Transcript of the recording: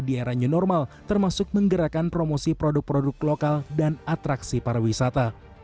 di era new normal termasuk menggerakkan promosi produk produk lokal dan atraksi pariwisata